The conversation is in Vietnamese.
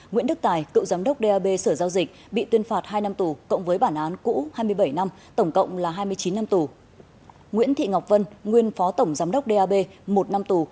nguyễn đức tài cựu giám đốc dap sở giao dịch bị tuyên phạt hai năm tù